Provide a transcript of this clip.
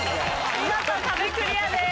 見事壁クリアです。